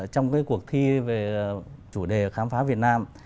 trong cuộc thi về chủ đề khám phá việt nam